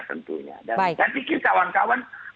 tentunya dan saya pikir kawan kawan